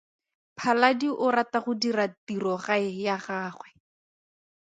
Phaladi o rata go dira tirogae ya gagwe.